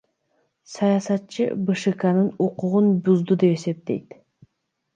Саясатчы БШК анын укугун бузду деп эсептейт.